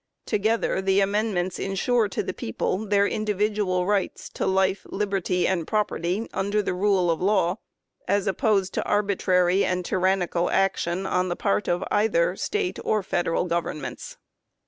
Together the Amendments ensure to the people their individual rights to life, liberty, and property under the rule of law as opposed to arbitrary and tyrannical action on the part of either State or Federal Governments.